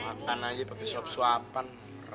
makan aja pakai sop suapan